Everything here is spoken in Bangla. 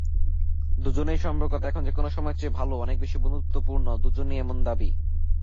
দুজনের সম্পর্কটা এখন যেকোনো সময়ের চেয়ে ভালো, অনেক বেশি বন্ধুত্বপূর্ণ—দুজনেরই এমন দাবি।